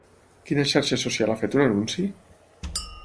Quina xarxa social ha fet un anunci?